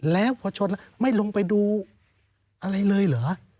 แล้วพอชนแล้วไม่ลงไปดูอะไรเลยเหรอ